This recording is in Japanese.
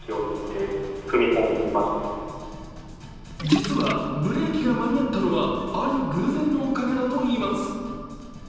実はブレーキが間に合ったのはある偶然のおかげだといいます。